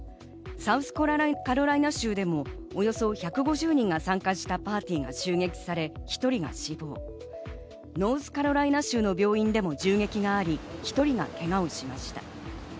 サウスカロライナ州でもおよそ１５０人が参加したパーティーが襲撃され、１人が死亡、ノースカロライナ州の病院でも銃撃があり、１人がけがをしました。